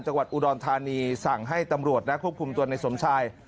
จังหวัดอุดรธานีสั่งให้ตำรวจนะควบคุมตัวในสมชาย